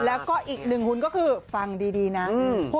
ไวะก็อีกหนึ่งหุ่นก็คือฟังดีนาคุณ